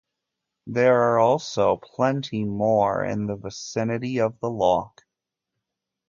There are also plenty more in the vicinity of the loch.